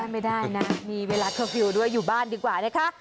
ไม่ได้นะมีเวลาเคอร์ฟิลล์ด้วยอยู่บ้านดีกว่านะคะ